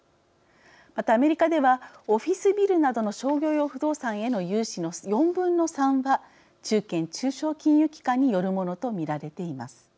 また、アメリカではオフィスビルなどの商業用不動産への融資の４分の３は中堅・中小金融機関によるものと見られています。